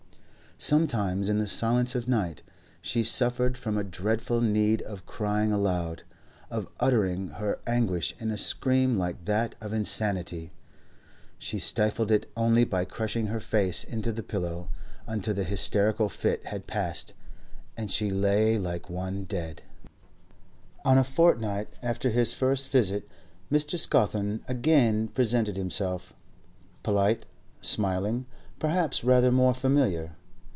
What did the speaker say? Sometimes in the silence of night she suffered from a dreadful need of crying aloud, of uttering her anguish in a scream like that of insanity. She stifled it only by crushing her face into the pillow until the hysterical fit had passed, and she lay like one dead. A fortnight after his first visit Mr. Scawthorne again presented himself, polite, smiling, perhaps rather more familiar.